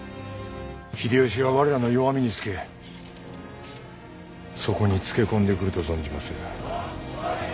秀吉は我らの弱みにつけそこにつけ込んでくると存じまする。